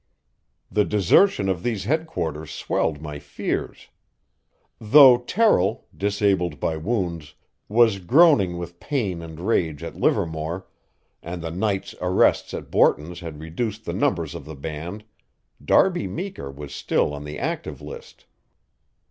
The desertion of these headquarters swelled my fears. Though Terrill, disabled by wounds, was groaning with pain and rage at Livermore, and the night's arrests at Borton's had reduced the numbers of the band, Darby Meeker was still on the active list.